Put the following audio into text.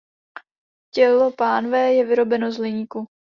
Tělo "pánve" je vyrobeno z hliníku.